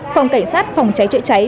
phòng cảnh sát phòng cháy chữa cháy